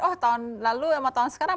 oh tahun lalu sama tahun sekarang